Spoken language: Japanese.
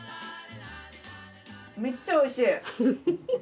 めっちゃ美味しい！